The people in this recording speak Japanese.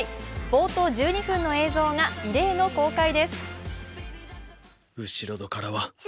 冒頭１２分の映像が異例の公開です。